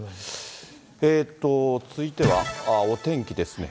続いては、お天気ですね。